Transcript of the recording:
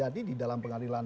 di dalam pengadilan